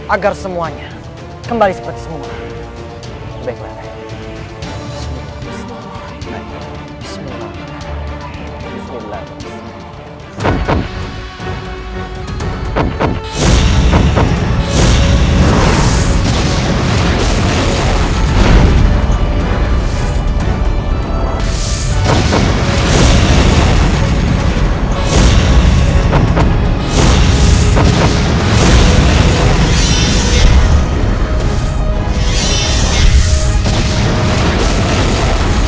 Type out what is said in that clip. agar semuanya kembali seperti semuanya